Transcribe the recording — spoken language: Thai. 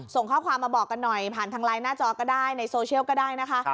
ส่งข้อความมาบอกกันหน่อยผ่านทางไลน์หน้าจอก็ได้ในโซเชียลก็ได้นะคะ